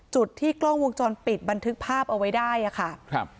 จุดที่กล้องวงจรปิดบันทึกภาพเอาไว้ได้อะค่ะครับ